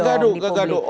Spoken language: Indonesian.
enggak enggak gaduh